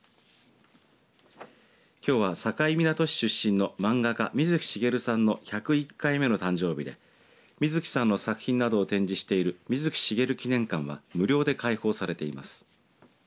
きょうは境港市出身の漫画家水木しげるさんの１０１回目の誕生日で水木さんの作品などを展示している水木しげる記念館は無料で開放されています。